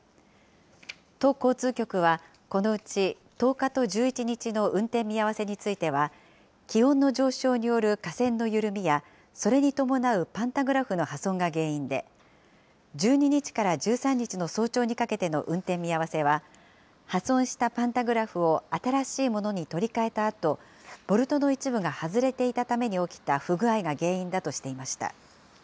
都交通局はこのうち１０日と１１日の運転見合わせについては、気温の上昇による架線の緩みや、それに伴うパンタグラフの破損が原因で、１２日から１３日の早朝にかけての運転見合わせは、破損したパンタグラフを新しいものに取り替えたあと、ボルトの一部が外れていたために起きた不具合が原因だとしていました。